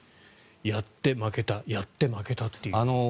やって、負けたやって、負けたっていう。